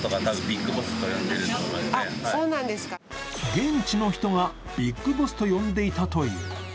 現地の人がビッグボスと呼んでいたという。